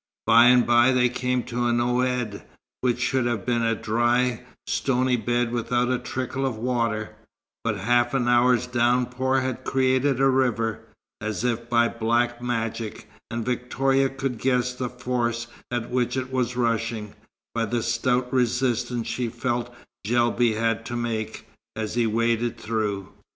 By and by they came to an oued, which should have been a dry, stony bed without a trickle of water; but half an hour's downpour had created a river, as if by black magic; and Victoria could guess the force at which it was rushing, by the stout resistance she felt Guelbi had to make, as he waded through.